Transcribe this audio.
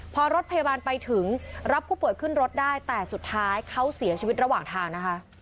พอรถพยาบาลไปถึงรับผู้ป่วยขึ้นรถได้แต่สุดท้ายเขาเสียชีวิตระหว่างทางนะคะ